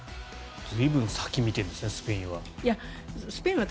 随分、先を見てますねスペインは。